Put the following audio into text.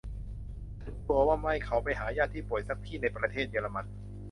ฉันกลัวว่าไม่ เขาไปหาญาติที่ป่วยสักที่ในประเทศเยอรมัน